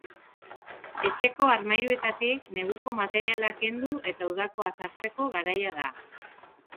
Etxeko armairuetatik, neguko materiala kendu eta udakoa sartzeko garaia da.